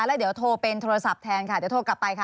แล้วเดี๋ยวโทรเป็นโทรศัพท์แทนค่ะเดี๋ยวโทรกลับไปค่ะ